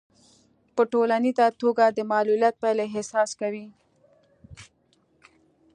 په ټولیزه توګه د معلوليت پايلې احساس کوي.